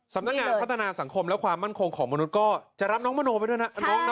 สำนักงานพัฒนาสังคมและความมั่นคงของมนุษย์ก็จะรับน้องมโนไปด้วยนะ